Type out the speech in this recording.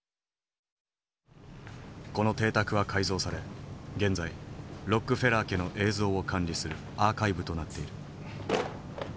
この邸宅は改造され現在ロックフェラー家の映像を管理するアーカイブとなっている。